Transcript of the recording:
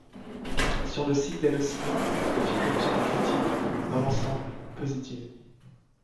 Sur le site d'Allociné le film obtient des critiques, dans l'ensemble, positives.